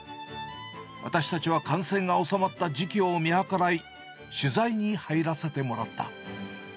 私たちは感染が収まった時期を見計らい、取材に入らせてもらった。